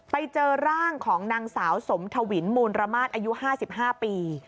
ไปเจอร่างของนางสาวสมทวินมูลระมาทอายุ๕๕ปี